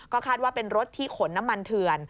คาดว่าเป็นรถที่ขนน้ำมันเถื่อน